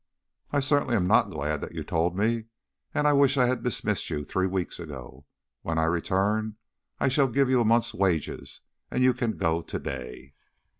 "I certainly am not glad that you told me, and I wish I had dismissed you three weeks ago. When I return I shall give you a month's wages and you can go to day."